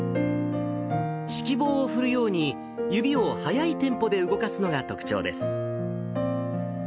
指揮棒を振るように指を速いテンポで動かすのが特徴です。